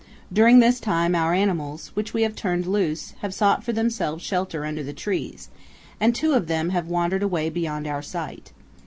During this time our animals, which we have turned loose, have sought for themselves shelter under the trees, and two of them have wandered away beyond our sight.